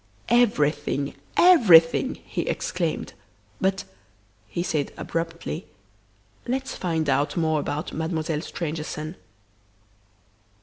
"Everything! Everything!" he exclaimed. "But," he said abruptly, "let's find out more about Mademoiselle Stangerson."